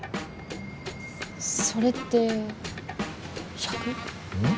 それって１００？ん？